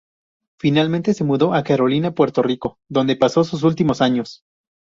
Finalmente se mudó a Carolina, Puerto Rico, donde pasó sus últimos años.